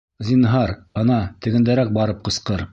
Зинһар, ана, тегендәрәк барып ҡысҡыр.